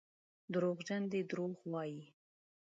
دروغجن دي دروغ وايي.